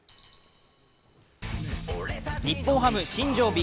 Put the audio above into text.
日本ハム・新庄